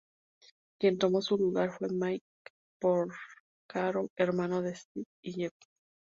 Quien tomó su lugar fue Mike Porcaro, hermano de Steve y Jeff.